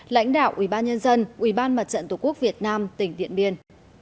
lãnh đạo ủy ban nhân dân ủy ban mặt trận tổ quốc việt nam tỉnh điện biên